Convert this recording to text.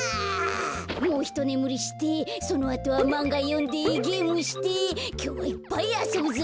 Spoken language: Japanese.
もうひとねむりしてそのあとはまんがよんでゲームしてきょうはいっぱいあそぶぞ！